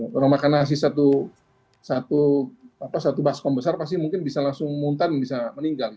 kalau makan nasi satu baskom besar pasti mungkin bisa langsung muntan bisa meninggal